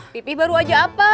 pipi baru aja apa